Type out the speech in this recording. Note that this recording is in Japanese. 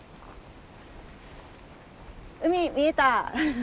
海見えた！